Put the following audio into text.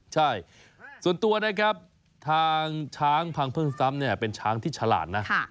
ใช่ส่วนตัวนะครับทางช้างพังพึ่งซ้ำเนี่ยเป็นช้างที่ฉลาดนะ